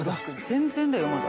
全然だよまだ。